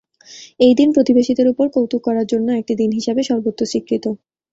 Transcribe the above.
এই দিন প্রতিবেশীদের উপর কৌতুক করার জন্য একটি দিন হিসাবে সর্বত্র স্বীকৃত।